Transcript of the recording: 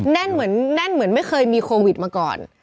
เหมือนแน่นเหมือนไม่เคยมีโควิดมาก่อน